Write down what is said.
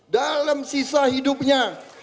dalam sisa hidupnya